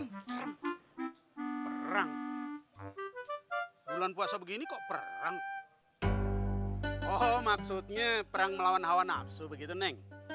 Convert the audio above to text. harang bulan puasa begini kok perang oh maksudnya perang melawan hawa nafsu begitu neng